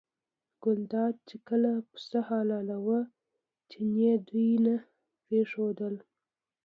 ګلداد چې کله پسه حلالاوه چیني دوی نه پرېښودل.